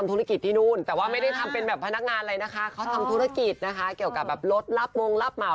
ธุรกิจที่ลูนแต่ไม่ทำเป็นแบบพนักงานและเขาทำธุรกิจนะคะเกี่ยวกับรถลับมองลับเหมา